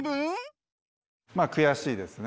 まあ悔しいですね。